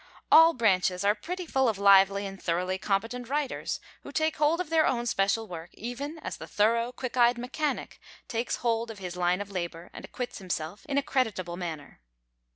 All branches are pretty full of lively and thoroughly competent writers, who take hold of their own special work even as the thorough, quick eyed mechanic takes hold of his line of labor and acquits himself in a creditable manner.